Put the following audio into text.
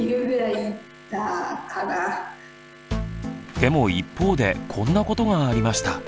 でも一方でこんなことがありました。